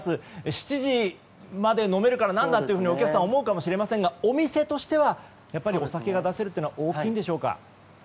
７時まで飲めるからなんだとお客さんも思うかもしれませんがお店としては、やっぱりお酒が出せるというのは大きいんでしょうか？